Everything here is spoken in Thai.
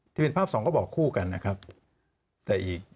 ที่เป็นภาพสองก็บอกคู่กันนะครับแต่อีก